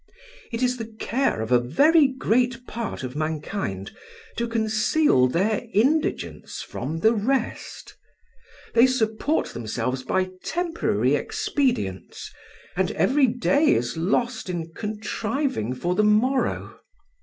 It is the care of a very great part of mankind to conceal their indigence from the rest. They support themselves by temporary expedients, and every day is lost in contriving for the morrow.